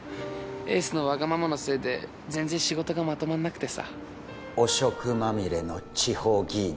エースのわがままのせいで全然仕事がまとまんなくてさ汚職まみれの地方議員だ